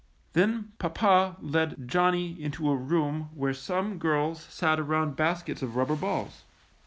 Then papa led Johnny into a room where some girls sat around baskets of rubber balls.